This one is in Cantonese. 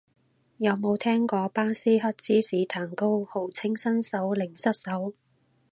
有冇聽過巴斯克芝士蛋糕，號稱新手零失手